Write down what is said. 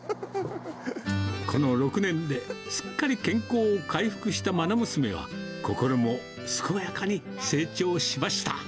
この６年で、すっかり健康を回復したまな娘は、心も健やかに成長しました。